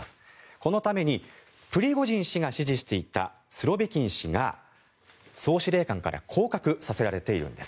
このためにプリゴジン氏が支持していたスロビキン氏が総司令官から降格させられているんです。